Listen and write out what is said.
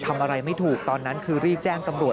ทำอะไรไม่ถูกตอนนั้นคือรีบแจ้งตำรวจ